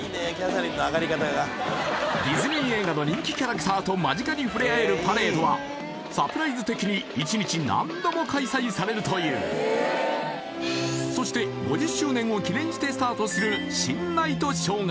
ディズニー映画の人気キャラクターと間近に触れ合えるパレードはサプライズ的に１日何度も開催されるというそして５０周年を記念してスタートする新ナイトショーが